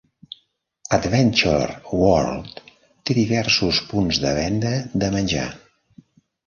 Adventure World té diversos punts de venda de menjar.